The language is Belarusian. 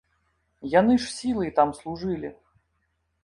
Яны ж сілай там служылі.